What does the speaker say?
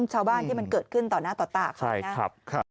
ชาวบ้านที่มันเกิดขึ้นต่อหน้าต่อตาเขานะครับ